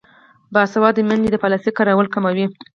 باسواده میندې د پلاستیک کارول کموي.